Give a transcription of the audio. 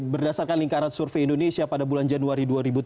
berdasarkan lingkaran survei indonesia pada bulan januari dua ribu tujuh belas